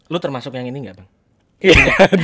lu termasuk yang ini gak